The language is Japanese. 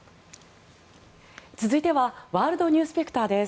続いてはワールドニュースペクターです。